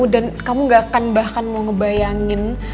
dan kamu gak akan bahkan mau ngebayangin